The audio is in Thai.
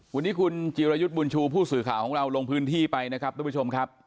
วันนี้คุณจิรยุทธ์บุญชูผู้สื่อข่าวของเราลงพื้นที่ไปนะครับทุกผู้ชมครับ